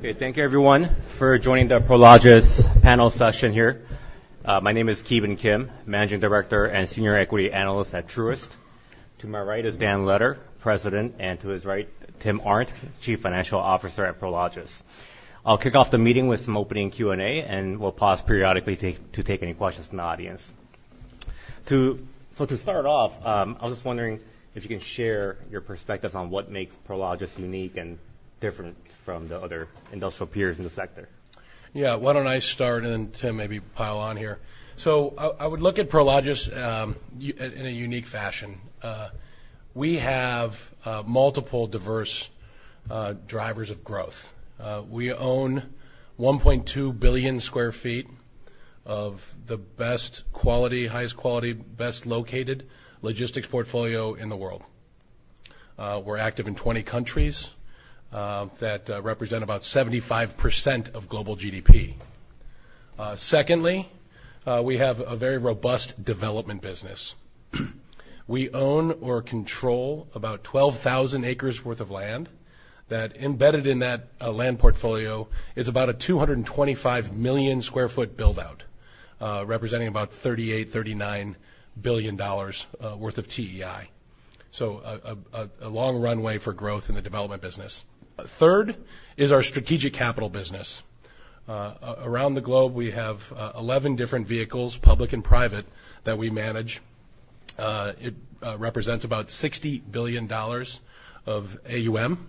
Okay, thank you everyone for joining the Prologis panel session here. My name is Ki Bin Kim, Managing Director and Senior Equity Analyst at Truist. To my right is Dan Letter, President, and to his right, Tim Arndt, Chief Financial Officer at Prologis. I'll kick off the meeting with some opening Q&A, and we'll pause periodically to take any questions from the audience. So to start off, I was just wondering if you can share your perspectives on what makes Prologis unique and different from the other industrial peers in the sector. Yeah. Why don't I start, and then Tim, maybe pile on here. So I would look at Prologis in a unique fashion. We have multiple diverse drivers of growth. We own 1.2 billion sq ft of the best quality, highest quality, best located logistics portfolio in the world. We're active in 20 countries that represent about 75% of global GDP. Secondly, we have a very robust development business. We own or control about 12,000 acres worth of land, that embedded in that land portfolio is about a 225 million sq ft build-out, representing about $38 billion-$39 billion worth of TEI. So a long runway for growth in the development business. Third is our strategic capital business. Around the globe, we have 11 different vehicles, public and private, that we manage. It represents about $60 billion of AUM.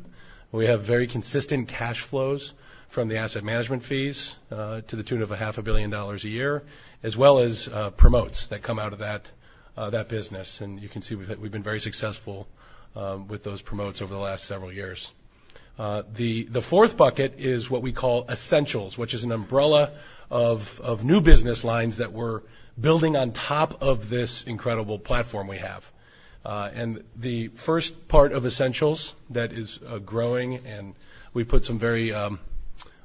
We have very consistent cash flows from the asset management fees to the tune of $500 million a year, as well as promotes that come out of that business. And you can see, we've been very successful with those promotes over the last several years. The fourth bucket is what we call Essentials, which is an umbrella of new business lines that we're building on top of this incredible platform we have. And the first part of Essentials that is growing, and we put some very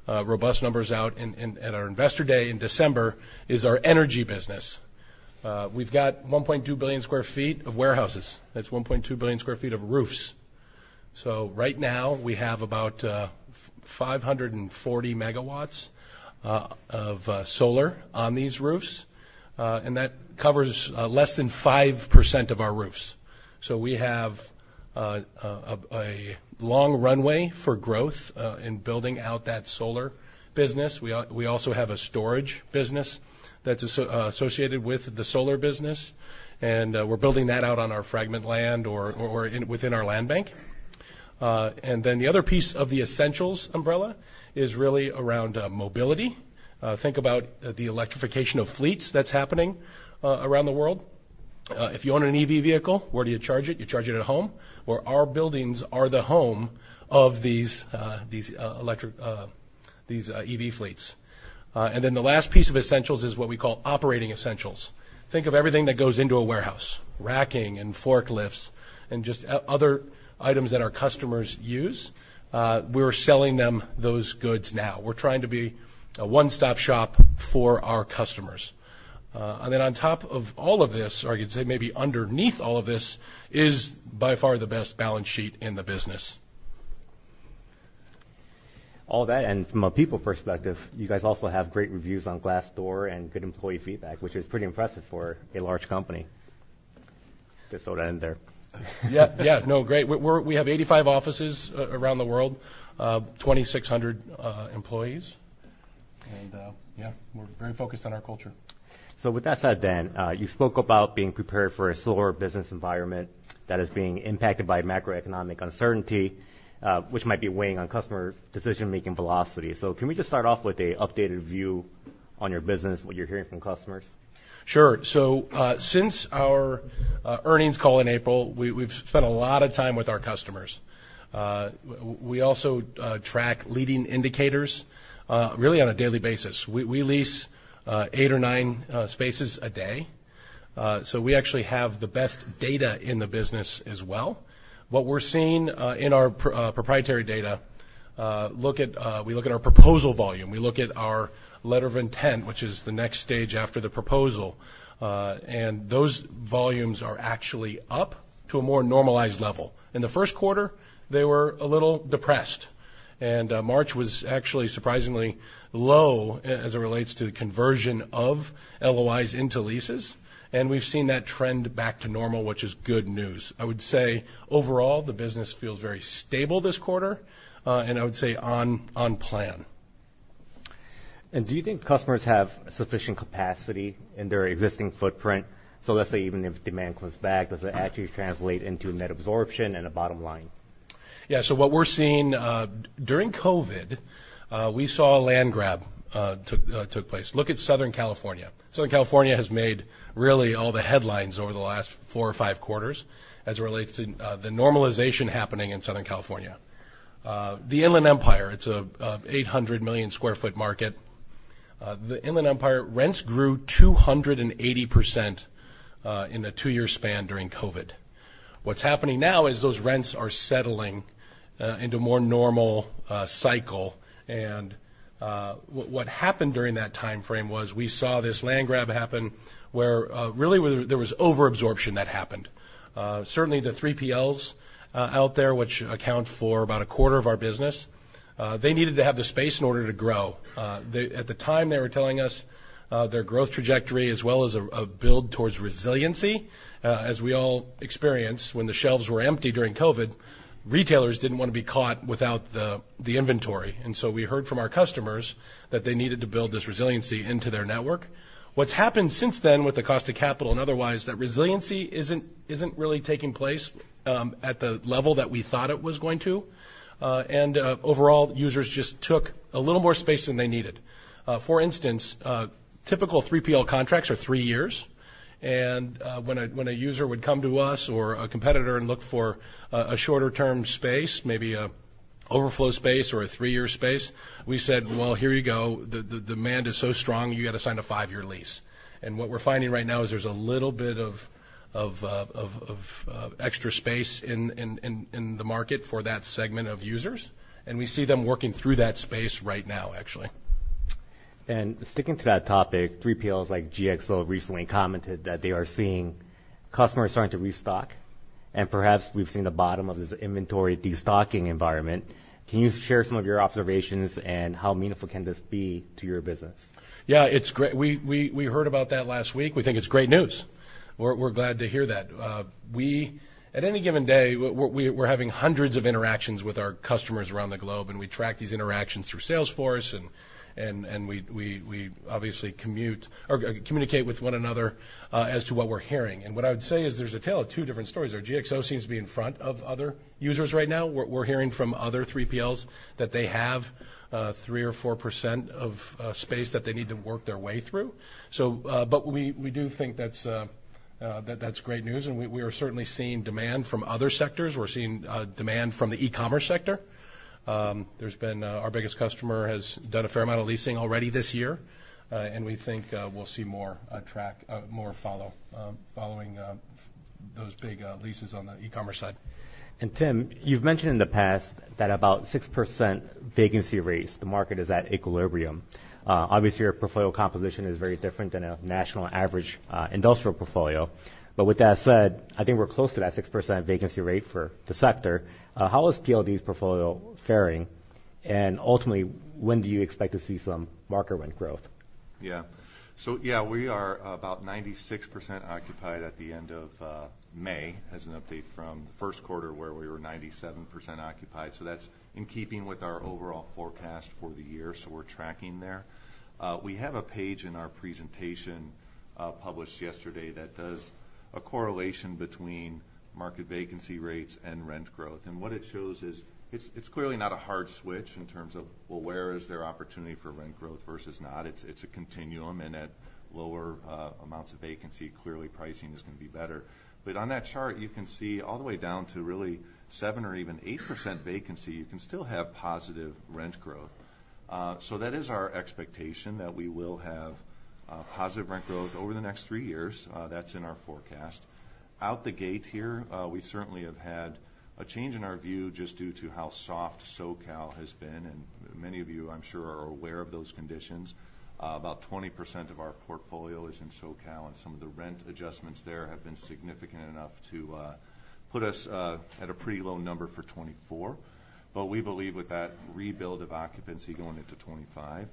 robust numbers out at our Investor Day in December, is our energy business. We've got 1.2 billion sq ft of warehouses. That's 1.2 billion sq ft of roofs. So right now, we have about 540 MW of solar on these roofs, and that covers less than 5% of our roofs. So we have a long runway for growth in building out that solar business. We also have a storage business that's associated with the solar business, and we're building that out on our fragmented land or within our land bank. And then the other piece of the Essentials umbrella is really around mobility. Think about the electrification of fleets that's happening around the world. If you own an EV vehicle, where do you charge it? You charge it at home, where our buildings are the home of these electric EV fleets. And then the last piece of Essentials is what we call Operating Essentials. Think of everything that goes into a warehouse, racking and forklifts and just other items that our customers use. We're selling them those goods now. We're trying to be a one-stop shop for our customers. And then on top of all of this, or I could say maybe underneath all of this, is by far the best balance sheet in the business. All that, and from a people perspective, you guys also have great reviews on Glassdoor and good employee feedback, which is pretty impressive for a large company. Just thought I'd end there. Yeah. Yeah. No, great. We have 85 offices around the world, 2,600 employees. Yeah, we're very focused on our culture. So with that said, Dan, you spoke about being prepared for a slower business environment that is being impacted by macroeconomic uncertainty, which might be weighing on customer decision-making velocity. So can we just start off with a updated view on your business, what you're hearing from customers? Sure. So, since our earnings call in April, we've spent a lot of time with our customers. We also track leading indicators really on a daily basis. We lease eight or nine spaces a day. So we actually have the best data in the business as well. What we're seeing in our proprietary data, we look at our proposal volume, we look at our letter of intent, which is the next stage after the proposal, and those volumes are actually up to a more normalized level. In the first quarter, they were a little depressed, and March was actually surprisingly low as it relates to the conversion of LOIs into leases, and we've seen that trend back to normal, which is good news. I would say, overall, the business feels very stable this quarter, and I would say on plan. Do you think customers have sufficient capacity in their existing footprint? Let's say, even if demand comes back, does it actually translate into net absorption and a bottom line? Yeah. So what we're seeing. During COVID, we saw a land grab take place. Look at Southern California. Southern California has made really all the headlines over the last four or five quarters as it relates to the normalization happening in Southern California. The Inland Empire, it's an 800 million sq ft market. The Inland Empire rents grew 280% in a two-year span during COVID. What's happening now is those rents are settling into more normal cycle, and what happened during that time frame was we saw this land grab happen, where really, where there was over-absorption that happened. Certainly, the 3PLs out there, which account for about 1/4 of our business, they needed to have the space in order to grow. At the time, they were telling us their growth trajectory as well as a build towards resiliency. As we all experienced, when the shelves were empty during COVID, retailers didn't want to be caught without the inventory. And so we heard from our customers that they needed to build this resiliency into their network. What's happened since then, with the cost of capital and otherwise, that resiliency isn't really taking place at the level that we thought it was going to. Overall, users just took a little more space than they needed. For instance, typical 3PL contracts are three years, and when a user would come to us or a competitor and look for a shorter-term space, maybe an overflow space or a three-year space, we said, "Well, here you go." The demand is so strong, you've got to sign a five-year lease. And what we're finding right now is there's a little bit of extra space in the market for that segment of users, and we see them working through that space right now, actually. Sticking to that topic, 3PLs like GXO recently commented that they are seeing customers starting to restock, and perhaps we've seen the bottom of this inventory destocking environment. Can you share some of your observations, and how meaningful can this be to your business? Yeah, it's great. We heard about that last week. We think it's great news. We're glad to hear that. At any given day, we're having hundreds of interactions with our customers around the globe, and we track these interactions through Salesforce, and we obviously communicate with one another as to what we're hearing. And what I would say is, there's a tale of two different stories there. GXO seems to be in front of other users right now. We're hearing from other 3PLs that they have 3%-4% of space that they need to work their way through. So, but we do think that's great news, and we are certainly seeing demand from other sectors. We're seeing demand from the e-commerce sector. Our biggest customer has done a fair amount of leasing already this year, and we think we'll see more following those big leases on the e-commerce side. And Tim, you've mentioned in the past that about 6% vacancy rates, the market is at equilibrium. Obviously, your portfolio composition is very different than a national average, industrial portfolio. But with that said, I think we're close to that 6% vacancy rate for the sector. How is PLD's portfolio faring? And ultimately, when do you expect to see some market rent growth? Yeah. So yeah, we are about 96% occupied at the end of May, as an update from the first quarter, where we were 97% occupied, so that's in keeping with our overall forecast for the year, so we're tracking there. We have a page in our presentation, published yesterday, that does a correlation between market vacancy rates and rent growth. And what it shows is, it's clearly not a hard switch in terms of, well, where is there opportunity for rent growth versus not? It's a continuum, and at lower amounts of vacancy, clearly, pricing is going to be better. But on that chart, you can see all the way down to really 7% or even 8% vacancy, you can still have positive rent growth. So that is our expectation, that we will have positive rent growth over the next three years. That's in our forecast. Out the gate here, we certainly have had a change in our view, just due to how soft SoCal has been, and many of you, I'm sure, are aware of those conditions. About 20% of our portfolio is in SoCal, and some of the rent adjustments there have been significant enough to put us at a pretty low number for 2024. But we believe with that rebuild of occupancy going into 2025,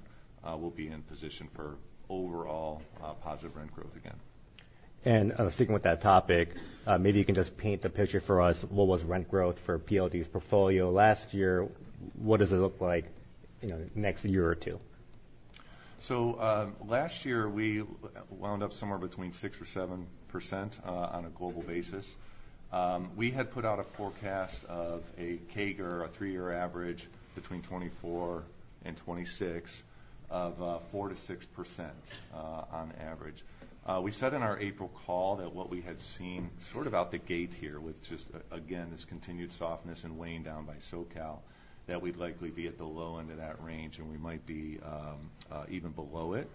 we'll be in position for overall positive rent growth again. Sticking with that topic, maybe you can just paint the picture for us. What was rent growth for PLD's portfolio last year? What does it look like, you know, next year or two? So, last year, we wound up somewhere between 6%-7%, on a global basis. We had put out a forecast of a CAGR, a three-year average, between 2024 and 2026, of 4%-6%, on average. We said in our April call that what we had seen sort of out the gate here with just again this continued softness and weighing down by SoCal, that we'd likely be at the low end of that range, and we might be even below it.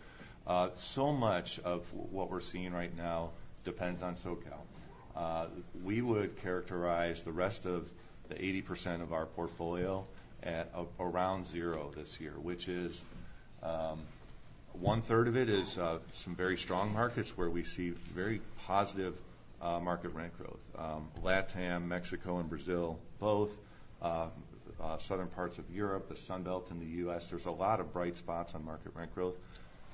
So much of what we're seeing right now depends on SoCal. We would characterize the rest of the 80% of our portfolio at around zero this year, which is 1/3 of it is some very strong markets, where we see very positive market rent growth. LatAm, Mexico and Brazil, both, southern parts of Europe, the Sun Belt in the U.S. There's a lot of bright spots on market rent growth.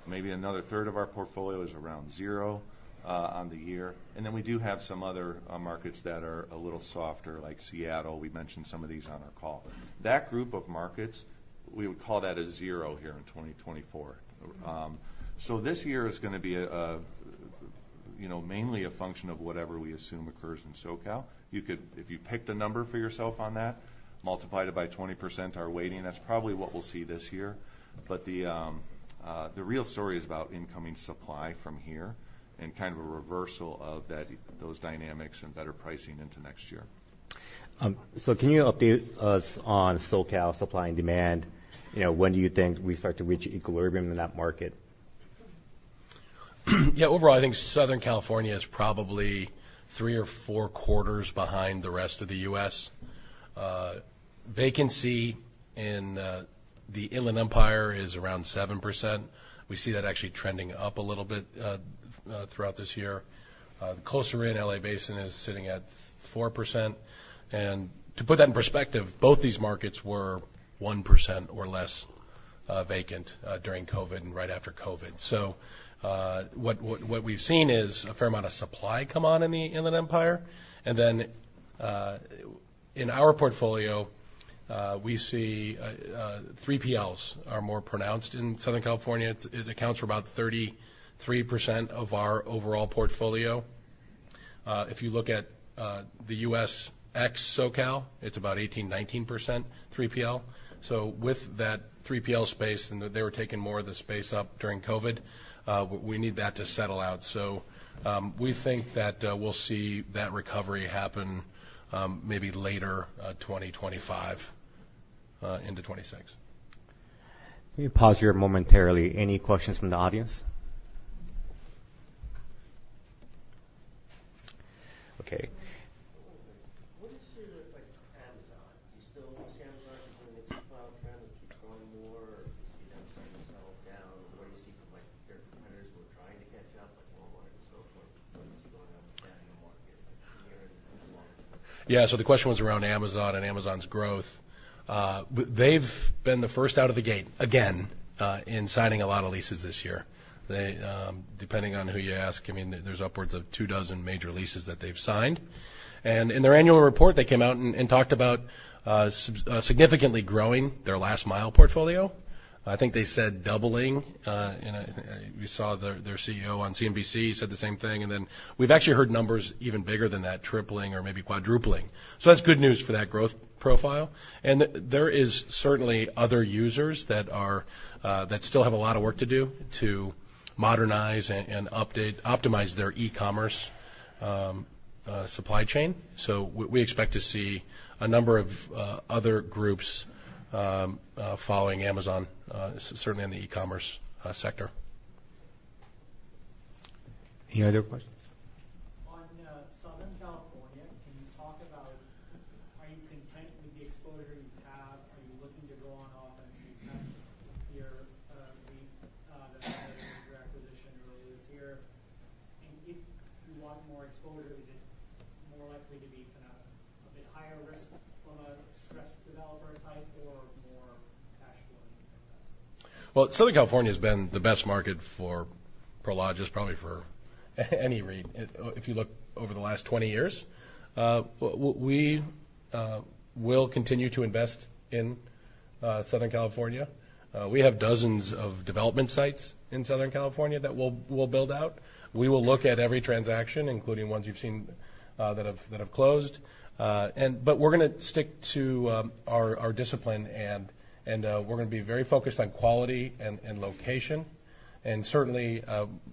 Maybe another 1/3 of our portfolio is around zero on the year. And then we do have some other markets that are a little softer, like Seattle. We've mentioned some of these on our call. That group of markets, we would call that a zero here in 2024. So this year is gonna be, you know, mainly a function of whatever we assume occurs in SoCal. You could—if you picked a number for yourself on that, multiply it by 20%, our weighting, that's probably what we'll see this year. But the real story is about incoming supply from here and kind of a reversal of that, those dynamics and better pricing into next year. Can you update us on SoCal supply and demand? You know, when do you think we start to reach equilibrium in that market? Yeah, overall, I think Southern California is probably three or four quarters behind the rest of the U.S. Vacancy in the Inland Empire is around 7%. We see that actually trending up a little bit throughout this year. Closer in L.A. Basin is sitting at 4%. And to put that in perspective, both these markets were 1% or less vacant during COVID and right after COVID. So, what we've seen is a fair amount of supply come on in the Inland Empire. And then, in our portfolio, we see 3PLs are more pronounced in Southern California. It accounts for about 33% of our overall portfolio. If you look at the U.S. ex-SoCal, it's about 18%-19% 3PL. So with that 3PL space, and they were taking more of the space up during COVID, we need that to settle out. So, we think that, we'll see that recovery happen, maybe later, 2025, into 2026. Let me pause here momentarily. Any questions from the audience? Okay. What does it look like with Amazon? Do you still see Amazon as doing its cloud trend and keep growing more, or do you see them starting to settle down? What do you see from, like, their competitors who are trying to catch up, like Walmart and so forth? What's going on with that in the market here and going forward? Yeah. So the question was around Amazon and Amazon's growth. They've been the first out of the gate again in signing a lot of leases this year. They... Depending on who you ask, I mean, there's upwards of 24 major leases that they've signed. And in their annual report, they came out and talked about significantly growing their last mile portfolio. I think they said doubling, and we saw their CEO on CNBC said the same thing. And then we've actually heard numbers even bigger than that, tripling or maybe quadrupling. So that's good news for that growth profile. And there is certainly other users that are that still have a lot of work to do to modernize and update, optimize their e-commerce supply chain. So we expect to see a number of other groups following Amazon, certainly in the e-commerce sector. Any other questions? On Southern California, can you talk about are you content with the exposure you have? Are you looking to go on offense with your the acquisition earlier this year? And if you want more exposure, is it more likely to be kind of a bit higher risk from a stress developer type or more cash flow investment? Well, Southern California has been the best market for Prologis, probably for any rate, if you look over the last 20 years. We will continue to invest in Southern California. We have dozens of development sites in Southern California that we'll build out. We will look at every transaction, including ones you've seen that have closed. But we're gonna stick to our discipline and we're gonna be very focused on quality and location. And certainly,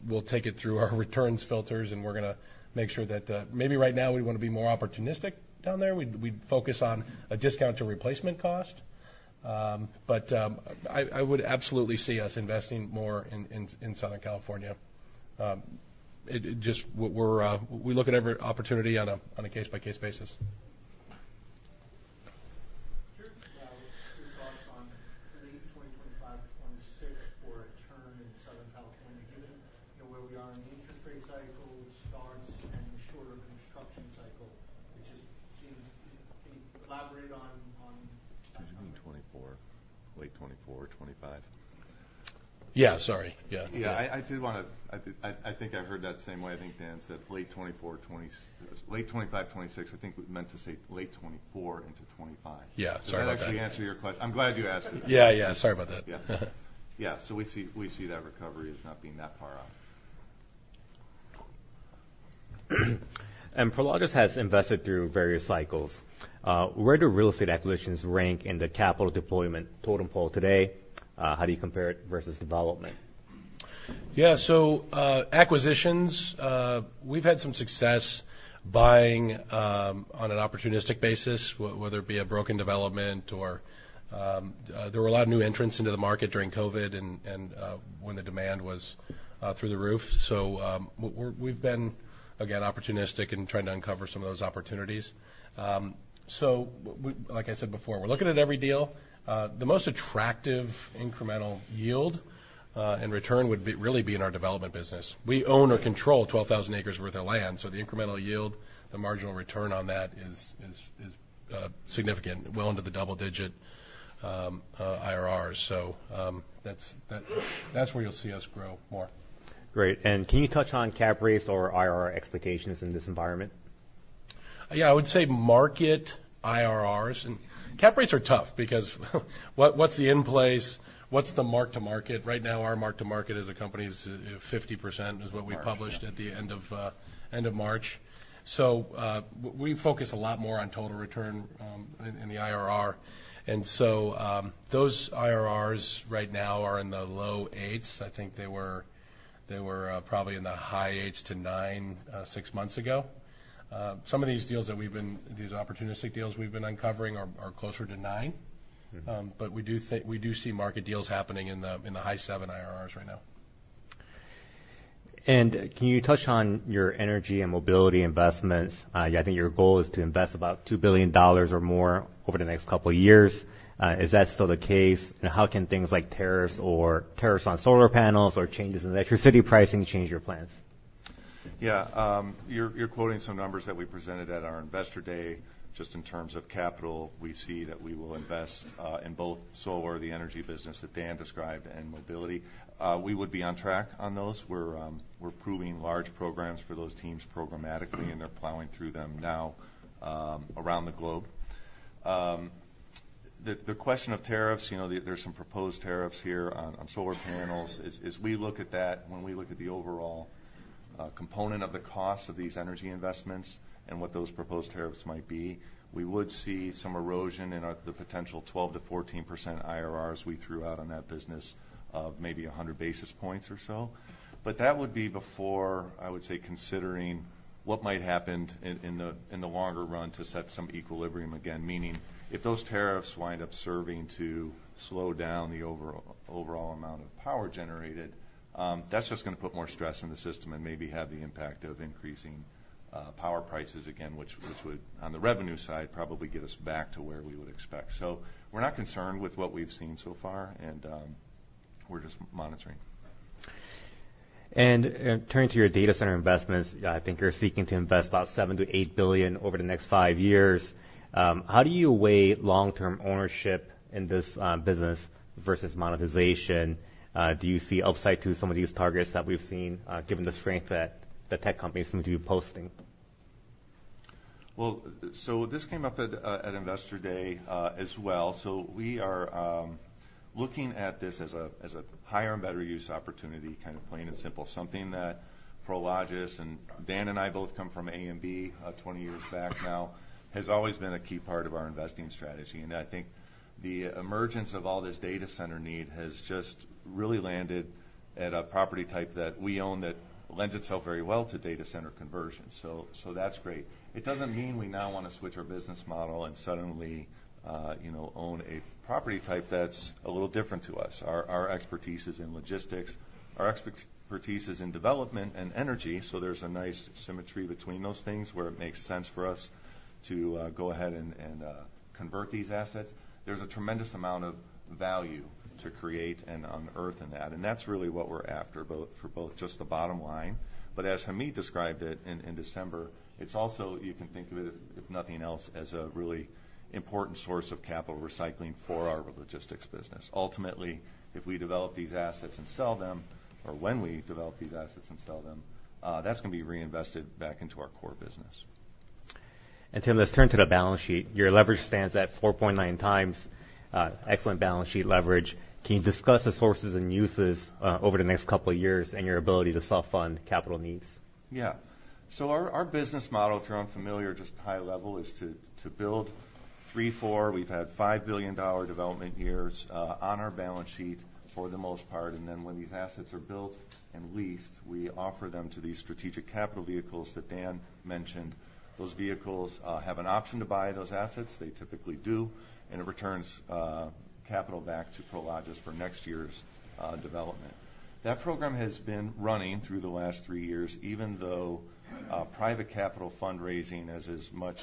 we'll take it through our returns filters, and we're gonna make sure that, maybe right now, we want to be more opportunistic down there. We'd focus on a discount to replacement cost. But I would absolutely see us investing more in Southern California. It just. We look at every opportunity on a case-by-case basis. Sure. Your thoughts on late 2025 to 2026 for a turn in Southern California, given, you know, where we are in the interest rate cycle starts and the shorter construction cycle, which is, seems, can you elaborate on, on? Did you mean 2024, late 2024 or 2025? Yeah, sorry. Yeah. Yeah, I did wanna. I think I heard that the same way. I think Dan said late 2024, late 2025, 2026. I think we meant to say late 2024 into 2025. Yeah, sorry about that. Does that actually answer your question? I'm glad you asked it. Yeah, yeah, sorry about that. Yeah. Yeah, so we see, we see that recovery as not being that far out. Prologis has invested through various cycles. Where do real estate acquisitions rank in the capital deployment totem pole today? How do you compare it versus development? Yeah. So, acquisitions, we've had some success buying, on an opportunistic basis, whether it be a broken development or, there were a lot of new entrants into the market during COVID and, and, when the demand was, through the roof. So, we're, we've been, again, opportunistic in trying to uncover some of those opportunities. So like I said before, we're looking at every deal. The most attractive incremental yield, and return would be, really be in our development business. We own or control 12,000 acres worth of land, so the incremental yield, the marginal return on that is, significant, well into the double digit, IRRs. So, that's where you'll see us grow more. Great. And can you touch on cap rates or IRR expectations in this environment? Yeah, I would say market IRRs. And cap rates are tough because, what, what's the in-place? What's the mark-to-market? Right now, our mark-to-market as a company is 50%, is what we. March Published at the end of March. So, we focus a lot more on total return, in the IRR. And so, those IRRs right now are in the low eights. I think they were, probably in the high eights to nine, six months ago. Some of these deals that we've been—these opportunistic deals we've been uncovering are closer to nine. But we do think, we do see market deals happening in the high seven IRRs right now. And can you touch on your energy and mobility investments? I think your goal is to invest about $2 billion or more over the next couple of years. Is that still the case? And how can things like tariffs or tariffs on solar panels or changes in electricity pricing change your plans? Yeah, you're quoting some numbers that we presented at our Investor Day. Just in terms of capital, we see that we will invest in both solar, the energy business that Dan described, and mobility. We would be on track on those. We're approving large programs for those teams programmatically, and they're plowing through them now around the globe. The question of tariffs, you know, there are some proposed tariffs here on solar panels. As we look at that, when we look at the overall component of the cost of these energy investments and what those proposed tariffs might be, we would see some erosion in our, the potential 12%-14% IRRs we threw out on that business of maybe 100 basis points or so. But that would be before, I would say, considering what might happen in the longer run, to set some equilibrium again, meaning if those tariffs wind up serving to slow down the overall amount of power generated, that's just gonna put more stress in the system and maybe have the impact of increasing power prices again, which would, on the revenue side, probably get us back to where we would expect. So we're not concerned with what we've seen so far, and we're just monitoring. Turning to your data center investments, I think you're seeking to invest about $7 billion-$8 billion over the next five years. How do you weigh long-term ownership in this business versus monetization? Do you see upside to some of these targets that we've seen, given the strength that the tech companies seem to be posting? Well, so this came up at Investor Day, as well. So we are looking at this as a higher and better use opportunity, kind of plain and simple. Something that Prologis, and Dan and I both come from AMB, 20 years back now, has always been a key part of our investing strategy. And I think the emergence of all this data center need has just really landed at a property type that we own, that lends itself very well to data center conversion. So that's great. It doesn't mean we now want to switch our business model and suddenly, you know, own a property type that's a little different to us. Our expertise is in logistics. Our expertise is in development and energy, so there's a nice symmetry between those things, where it makes sense for us to go ahead and convert these assets. There's a tremendous amount of value to create and unearth in that, and that's really what we're after, both for both just the bottom line, but as Hamid described it in December, it's also, you can think of it, if nothing else, as a really important source of capital recycling for our logistics business. Ultimately, if we develop these assets and sell them, or when we develop these assets and sell them, that's going to be reinvested back into our core business. Tim, let's turn to the balance sheet. Your leverage stands at 4.9 times. Excellent balance sheet leverage. Can you discuss the sources and uses, over the next couple of years and your ability to self-fund capital needs? Yeah. So our business model, if you're unfamiliar, just high level, is to build. We've had $5 billion development years on our balance sheet for the most part, and then when these assets are built and leased, we offer them to these strategic capital vehicles that Dan mentioned. Those vehicles have an option to buy those assets. They typically do, and it returns capital back to Prologis for next year's development. That program has been running through the last three years, even though private capital fundraising, as is much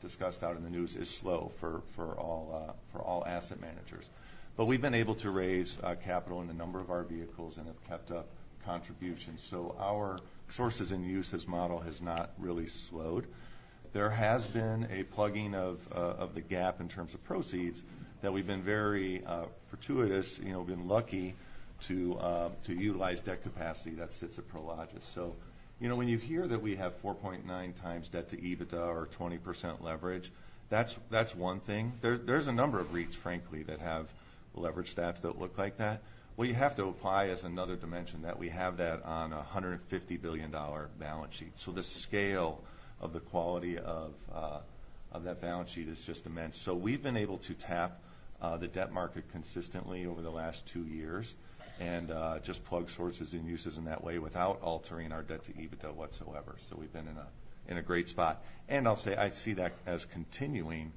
discussed out in the news, is slow for all asset managers. But we've been able to raise capital in a number of our vehicles and have kept up contributions. So our sources and uses model has not really slowed. There has been a plugging of, of the gap in terms of proceeds, that we've been very, fortuitous, you know, been lucky to, to utilize debt capacity that sits at Prologis. So, you know, when you hear that we have 4.9 times debt to EBITDA or 20% leverage, that's, that's one thing. There, there's a number of REITs, frankly, that have leverage stats that look like that. What you have to apply as another dimension, that we have that on a $150 billion balance sheet. So the scale of the quality of, of that balance sheet is just immense. So we've been able to tap, the debt market consistently over the last two years and, just plug sources and uses in that way without altering our debt to EBITDA whatsoever. So we've been in a great spot. And I'll say, I see that as continuing,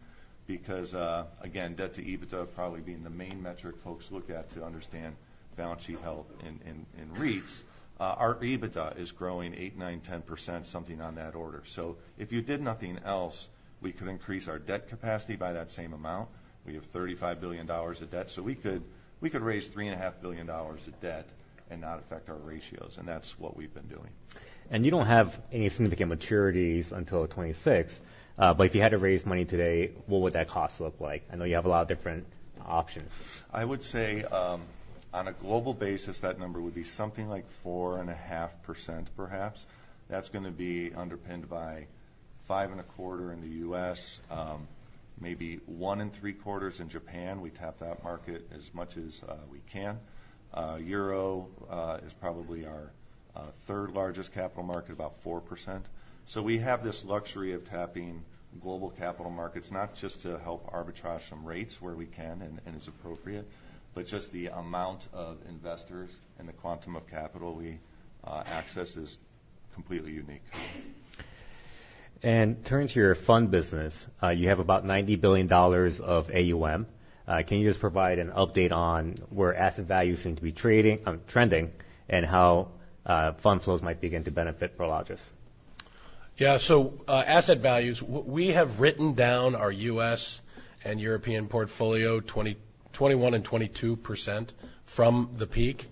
because again, debt to EBITDA probably being the main metric folks look at to understand balance sheet health in REITs, our EBITDA is growing 8%, 9%, 10%, something on that order. So if you did nothing else, we could increase our debt capacity by that same amount. We have $35 billion of debt, so we could raise $3.5 billion of debt and not affect our ratios, and that's what we've been doing. You don't have any significant maturities until 2026, but if you had to raise money today, what would that cost look like? I know you have a lot of different options. I would say, on a global basis, that number would be something like 4.5%, perhaps. That's gonna be underpinned by 5.25 in the U.S., maybe 1.75 in Japan. We tap that market as much as we can. Euro is probably our third largest capital market, about 4%. So we have this luxury of tapping global capital markets, not just to help arbitrage some rates where we can and, and is appropriate, but just the amount of investors and the quantum of capital we access is completely unique. And turning to your fund business, you have about $90 billion of AUM. Can you just provide an update on where asset values seem to be trading, trending, and how fund flows might begin to benefit Prologis? Yeah, so, asset values, we have written down our U.S. and European portfolio 21% and 22% from the peak.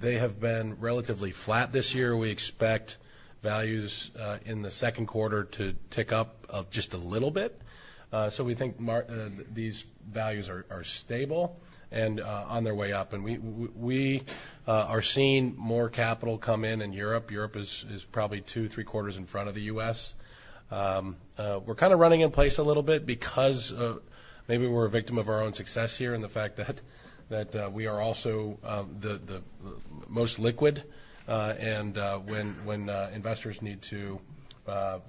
They have been relatively flat this year. We expect values in the second quarter to tick up just a little bit. So we think these values are stable and on their way up. And we are seeing more capital come in in Europe. Europe is probably two, three quarters in front of the U.S. We're kind of running in place a little bit because maybe we're a victim of our own success here, and the fact that we are also the most liquid. And when investors need to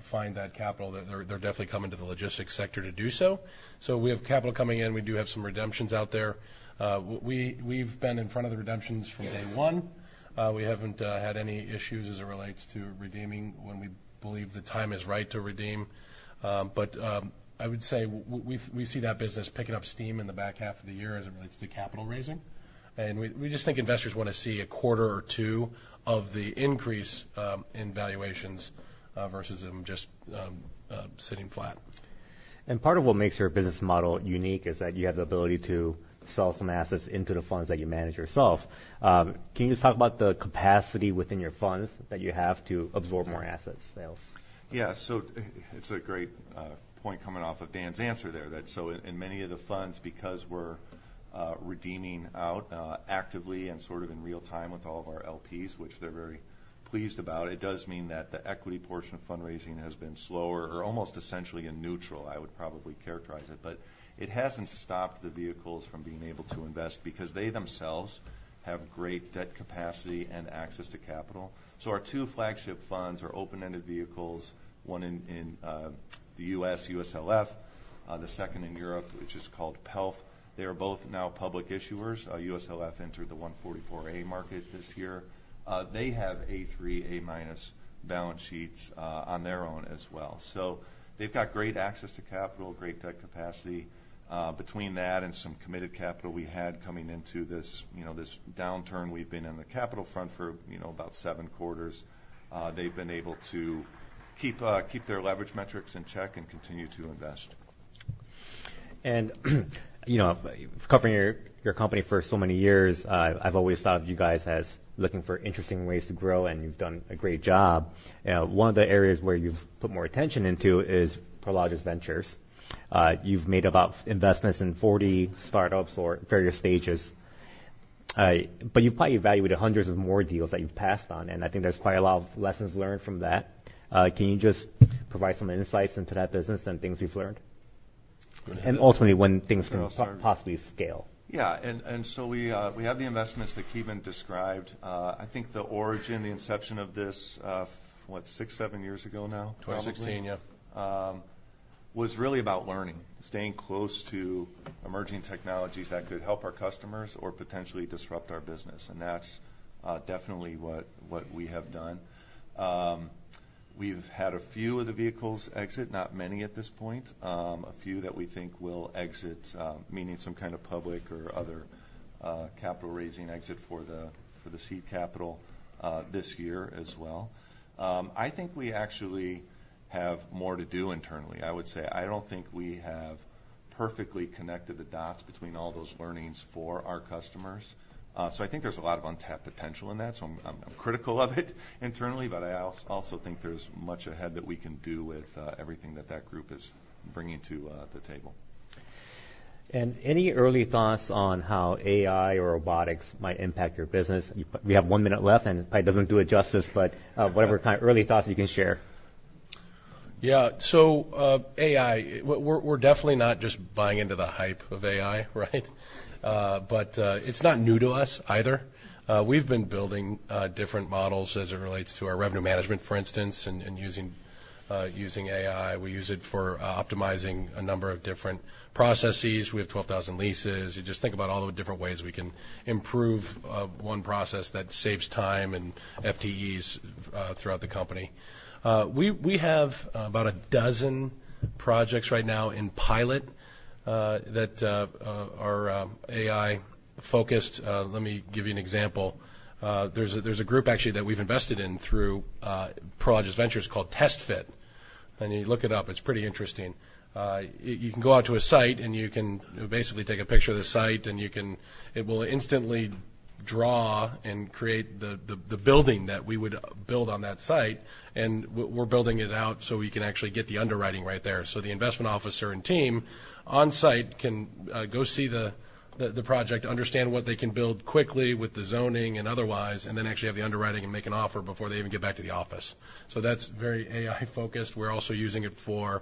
find that capital, they're definitely coming to the logistics sector to do so. So we have capital coming in. We do have some redemptions out there. We've been in front of the redemptions from day one. We haven't had any issues as it relates to redeeming when we believe the time is right to redeem. But I would say we see that business picking up steam in the back half of the year as it relates to capital raising. And we just think investors wanna see a quarter or two of the increase in valuations versus them just sitting flat. Part of what makes your business model unique is that you have the ability to sell some assets into the funds that you manage yourself. Can you just talk about the capacity within your funds that you have to absorb more asset sales? Yeah. So it's a great point coming off of Dan's answer there, that so in many of the funds, because we're redeeming out actively and sort of in real time with all of our LPs, which they're very pleased about, it does mean that the equity portion of fundraising has been slower or almost essentially in neutral, I would probably characterize it. But it hasn't stopped the vehicles from being able to invest, because they themselves have great debt capacity and access to capital. So our two flagship funds are open-ended vehicles, one in the U.S., USLF, the second in Europe, which is called PELF. They are both now public issuers. USLF entered the 144A market this year. They have A3, A- balance sheets on their own as well. So they've got great access to capital, great debt capacity. Between that and some committed capital we had coming into this, you know, this downturn, we've been in the capital front for, you know, about seven quarters. They've been able to keep, keep their leverage metrics in check and continue to invest. You know, covering your company for so many years, I've always thought of you guys as looking for interesting ways to grow, and you've done a great job. One of the areas where you've put more attention into is Prologis Ventures. You've made about investments in 40 startups or various stages, but you've probably evaluated hundreds of more deals that you've passed on, and I think there's quite a lot of lessons learned from that. Can you just provide some insights into that business and things you've learned? Go ahead. Ultimately, when things can possibly scale. Yeah, and so we have the investments that Ki Bin described. I think the origin, the inception of this, what, six-seven years ago now, probably- 2016, yeah. Was really about learning, staying close to emerging technologies that could help our customers or potentially disrupt our business, and that's definitely what we have done. We've had a few of the vehicles exit, not many at this point. A few that we think will exit, meaning some kind of public or other capital-raising exit for the seed capital this year as well. I think we actually have more to do internally, I would say. I don't think we have perfectly connected the dots between all those learnings for our customers. So I think there's a lot of untapped potential in that, so I'm critical of it internally, but I also think there's much ahead that we can do with everything that that group is bringing to the table. Any early thoughts on how AI or robotics might impact your business? We have one minute left, and it probably doesn't do it justice, but, whatever kind... Early thoughts you can share. Yeah. So, AI, we're definitely not just buying into the hype of AI, right? But it's not new to us either. We've been building different models as it relates to our revenue management, for instance, and using AI. We use it for optimizing a number of different processes. We have 12,000 leases. You just think about all the different ways we can improve one process that saves time and FTEs throughout the company. We have about 12 projects right now in pilot that are AI-focused. Let me give you an example. There's a group actually that we've invested in through Prologis Ventures called TestFit, and you look it up, it's pretty interesting. You can go out to a site, and you can basically take a picture of the site, and you can, it will instantly draw and create the building that we would build on that site, and we're building it out so we can actually get the underwriting right there. So the investment officer and team on-site can go see the project, understand what they can build quickly with the zoning and otherwise, and then actually have the underwriting and make an offer before they even get back to the office. So that's very AI-focused. We're also using it for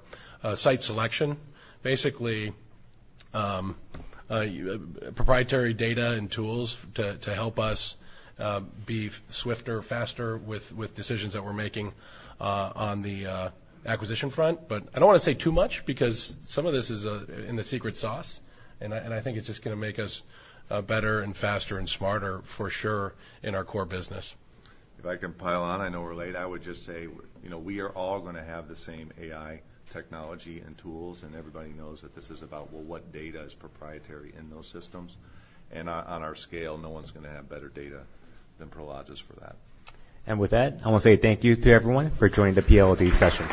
site selection. Basically, proprietary data and tools to help us be swifter, faster with decisions that we're making on the acquisition front. But I don't want to say too much because some of this is in the secret sauce, and I think it's just gonna make us better and faster and smarter, for sure, in our core business. If I can pile on, I know we're late. I would just say, you know, we are all gonna have the same AI technology and tools, and everybody knows that this is about, well, what data is proprietary in those systems? And on our scale, no one's gonna have better data than Prologis for that. With that, I wanna say thank you to everyone for joining the PLD session.